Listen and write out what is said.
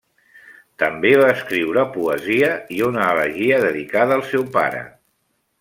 També va escriure poesia i una elegia dedicada al seu pare.